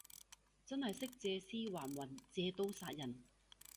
真係識借屍還魂，借刀殺人